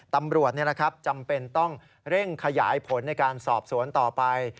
ตำรวจจำเป็นต้องเร่งขยายผลในการสอบสวนต่อไป